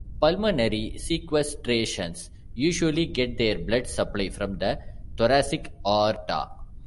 Pulmonary sequestrations usually get their blood supply from the thoracic aorta.